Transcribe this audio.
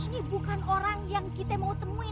ini bukan orang yang kita mau temuin